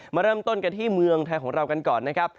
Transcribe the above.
มาเริ่มต้นกันที่เมืองไทยของเรากันก่อนนะครับ